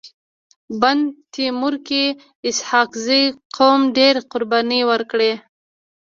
بند تيمور کي اسحق زي قوم ډيري قرباني ورکړي.